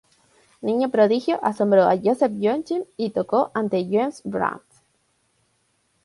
Niño prodigio, asombró a Joseph Joachim y tocó ante Johannes Brahms.